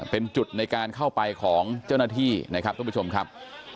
เป็นจุดในการเข้าไปของเจ้าหน้าที่นะครับท่านผู้ชมครับ